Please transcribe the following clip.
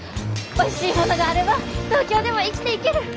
おいしいものがあれば東京でも生きていける！